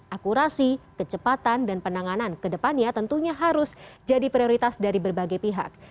akurasi kecepatan dan penanganan kedepannya tentunya harus jadi prioritas dari berbagai pihak